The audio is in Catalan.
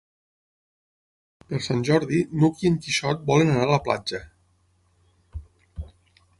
Per Sant Jordi n'Hug i en Quixot volen anar a la platja.